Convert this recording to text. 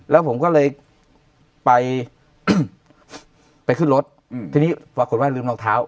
แล้วผมก็เลยไปไปขึ้นรถทีนี้ปรากฏว่าลืมรองเท้า